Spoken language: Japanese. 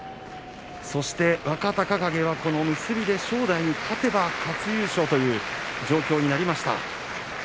そして若隆景、結びで正代に勝てば初優勝という状況になりました。